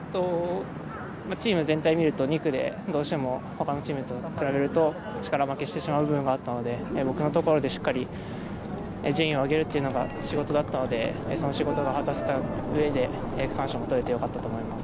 チーム全体見ると２区でどうしてもほかのチームに力負けしてしまう部分があったので、僕のところでしっかり順位を上げるというのが仕事だったのでその仕事が果たせたうえで、区間賞が取れてよかったと思います。